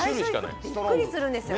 最初びっくりするんですよ